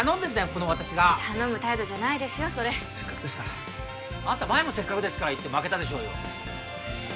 この私が頼む態度じゃないですよそれせっかくですからあんた前も「せっかくですから」言って負けたでしょうよ